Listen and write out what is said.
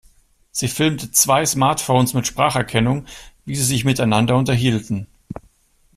Sie filmte zwei Smartphones mit Spracherkennung, wie sie sich miteinander unterhielten.